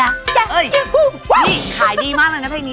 นี่ขายดีมากเลยนะเพลงนี้